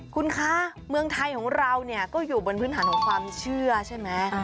คุณคะเมืองไทยของเราเนี่ยก็อยู่บนพื้นฐานของความเชื่อใช่ไหม